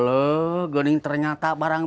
lagi lagi gue nanya si tisna kemana ya pur